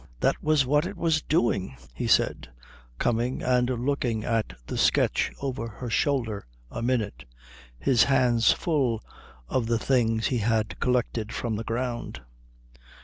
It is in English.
That was what it was doing," he said, coming and looking at the sketch over her shoulder a minute, his hands full of the things he had collected from the ground.